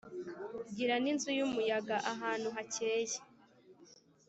(gira n'inzu y'umuyaga), ahantu hakeye,